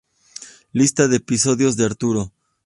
Lista de episodios de Arturo